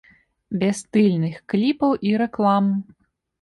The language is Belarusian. Без стыльных кліпаў і рэклам.